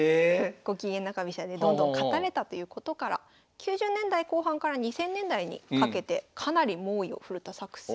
ゴキゲン中飛車でどんどん勝たれたということから９０年代後半から２０００年代にかけてかなり猛威を振るった作戦。